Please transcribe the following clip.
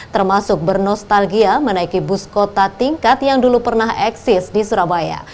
termasuk bernostalgia menaiki bus kota tingkat yang dulu pernah eksis di surabaya